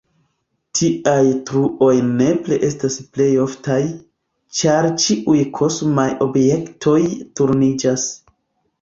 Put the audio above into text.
Tiaj truoj nepre estas plej oftaj, ĉar ĉiuj kosmaj objektoj turniĝas.